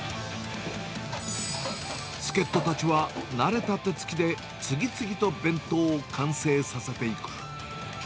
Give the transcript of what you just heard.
助っ人たちは、慣れた手つきで次々と弁当を完成させていく。